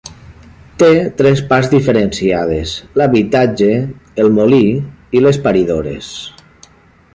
Té tres parts diferenciades: l'habitatge, el molí i les paridores.